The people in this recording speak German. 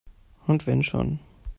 Und wenn schon!